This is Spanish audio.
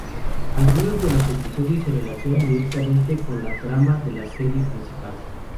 Algunos de los episodios se relacionan directamente con la trama de la serie principal.